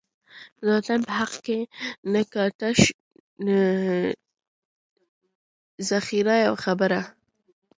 د وطن په حق کی نه کا، تش دخیر یوه خبره